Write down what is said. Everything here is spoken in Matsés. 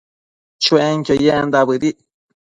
Chuenquio yendac bëdic